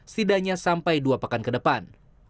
setidaknya sampai dua pekan ke depan